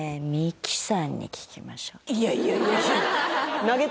いやいやいやいや投げた！